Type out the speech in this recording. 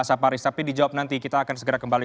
saparis tapi dijawab nanti kita akan segera kembali